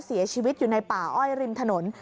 เสียชีวิตอยู่ในป่าอ้อยริมถนน